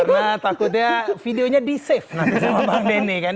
karena takutnya videonya di save nanti sama bang denny kan